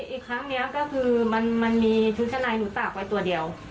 อีกครั้งนี้ก็คือมันมีชุดชั้นในหนูตากไว้ตัวเดียว